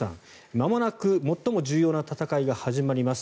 まもなくもっとも重要な戦いが始まります